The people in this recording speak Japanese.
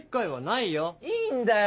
いいんだよ